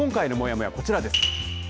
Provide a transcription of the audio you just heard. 今回のもやもや、こちらです。